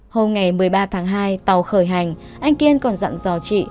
hôm ngày một mươi ba tháng hai tàu khởi hành anh kiên còn dặn dò chị